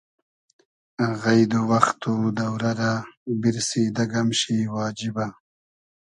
غݷد و وئخت و دۆرۂ رۂ بیرسی دۂ گئم شی واجیبۂ